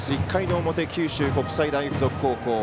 １回の表、九州国際大付属高校。